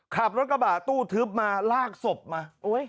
ขับรถกระบะตู้ทึบมาลากศพมา